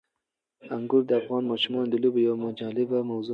انګور د افغان ماشومانو د لوبو یوه جالبه موضوع ده.